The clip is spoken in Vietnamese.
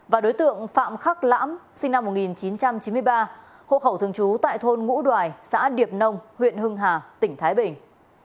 và đối tượng phạm khắc lãm sinh năm một nghìn chín trăm chín mươi ba hộ khẩu thường trú tại thôn ngũ đoài xã điệp nông huyện hưng hà tỉnh thái bình